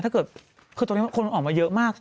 คือตอนนี้คนออกมาเยอะมาก